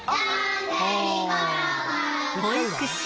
保育士。